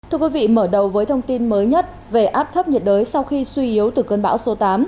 thưa quý vị mở đầu với thông tin mới nhất về áp thấp nhiệt đới sau khi suy yếu từ cơn bão số tám